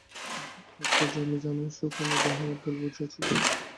অন্তর্যামী জানেন, সুখনে বেহারা ভুল বুঝিয়াছিল।